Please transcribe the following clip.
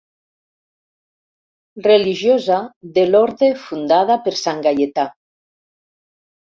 Religiosa de l'orde fundada per sant Gaietà.